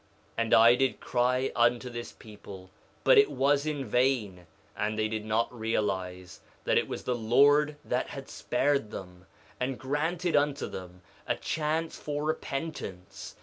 3:3 And I did cry unto this people, but it was in vain; and they did not realize that it was the Lord that had spared them, and granted unto them a chance for repentance.